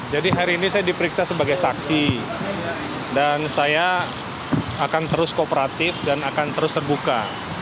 jadi hari ini saya diperiksa sebagai saksi dan saya akan terus kooperatif dan akan terus terbuka